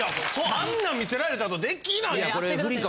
あんなん見せられたあとできないです。